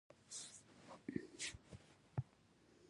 پوهه انسان ته څه ارزښت ورکوي؟